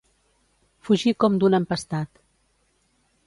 Fugir com d'un empestat.